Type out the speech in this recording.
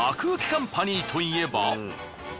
ウケカンパニーといえば。